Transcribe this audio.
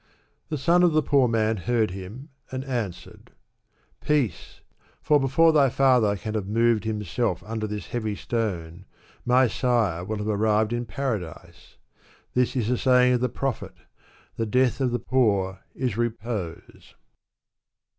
The son of the poor man heard him, and answered, " Peace ! for before thy father can have moved himself under this heavy stone, my sire will have arrived in paradise. This is a saying of the Prophet ■»* The death of the poor is repose.